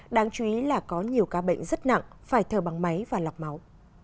đáng chú ý là có nhiều ca bệnh rất nặng phải thở bằng máy và lọc máu